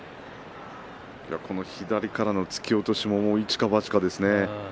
左からの突き落としも一か八かですね。